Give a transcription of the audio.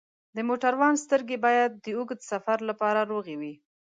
د موټروان سترګې باید د اوږده سفر لپاره روغې وي.